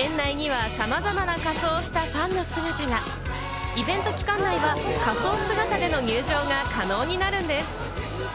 園内にはさまざまな仮装をしたファンの姿が、イベント期間内は仮装姿での入場が可能になるんです。